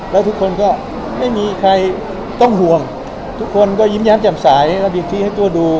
แล้วทุกคนก็ไม่มีใครต้องห่วงทุกคนก็ยิ้มย้ำจ่ำสายรับอย่างที่ให้ตัวดู